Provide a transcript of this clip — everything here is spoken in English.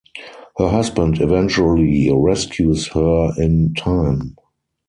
Her husband eventually rescues her in time.